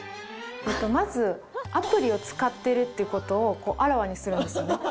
まずアプリを使っているっていう事をあらわにするんですよね。